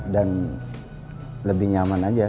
dan lebih nyaman saja